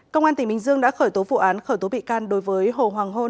công an tỉnh bình dương đã khởi tố vụ án khởi tố bị can đối với hồ hoàng hôn